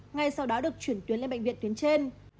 ngay sau đó được chuyển tuyến lên bệnh viện tuyến trên